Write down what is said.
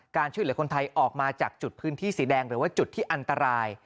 ช่วยเหลือคนไทยออกมาจากจุดพื้นที่สีแดงหรือว่าจุดที่อันตราย